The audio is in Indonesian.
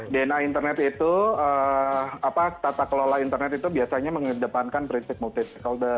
dna internet itu apa tata kelola internet itu biasanya mengedepankan prinsip multisikler